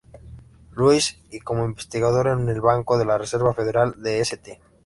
Louis y como investigador en el Banco de la Reserva Federal de St.